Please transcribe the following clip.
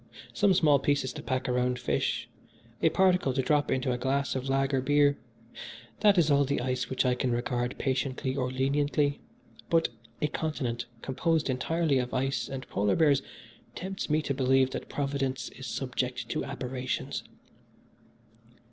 Some small pieces to pack around fish, a particle to drop into a glass of lager beer that is all the ice which I can regard patiently or leniently; but a continent composed entirely of ice and polar bears tempts me to believe that Providence is subject to aberrations.